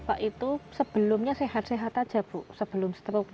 bapak itu sebelumnya sehat sehat aja bu sebelum stroke